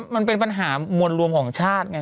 มันเป็นปัญหามวลรวมของชาติไง